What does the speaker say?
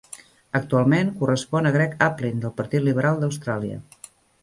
Actualment correspon a Greg Aplin del partit liberal d'Austràlia.